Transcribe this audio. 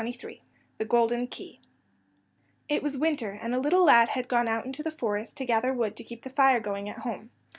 THE GOLDEN KEY It was winter, and a little lad had gone out into the forest to gather wood to keep the fire going at home.